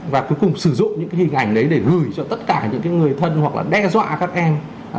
và cuối cùng sử dụng những cái hình ảnh đấy để gửi cho tất cả những người thân hoặc là đe dọa các em